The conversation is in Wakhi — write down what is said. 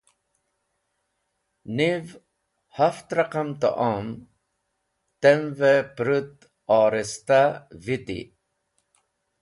Niv, hhaft raqam ta’om tem’v-e pũrũt oristah viti.